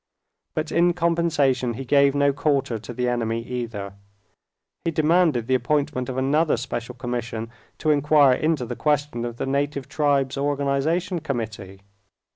But in compensation he gave no quarter to the enemy either. He demanded the appointment of another special commission to inquire into the question of the Native Tribes Organization Committee.